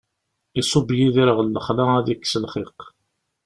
Iṣubb Yidir ɣer lexla ad ikkes lxiq.